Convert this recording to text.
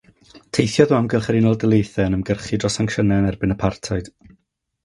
Teithiodd o amgylch yr Unol Daleithiau yn ymgyrchu dros sancsiynau yn erbyn apartheid.